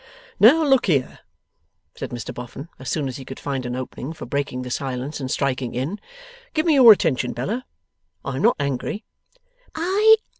'Now, look here,' said Mr Boffin, as soon as he could find an opening for breaking the silence and striking in. 'Give me your attention, Bella. I am not angry.